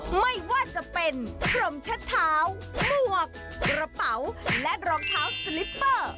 ไม่ว่าจะเป็นพรมเช็ดเท้าหมวกกระเป๋าและรองเท้าสลิปเปอร์